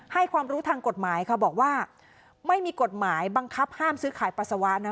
ความรู้ทางกฎหมายค่ะบอกว่าไม่มีกฎหมายบังคับห้ามซื้อขายปัสสาวะนะ